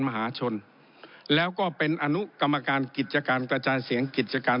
มหาชนแล้วก็เป็นอนุกรรมการกิจการกระจายเสียงกิจการ